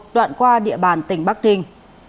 đoạn qua địa bàn tỉnh bắc ninh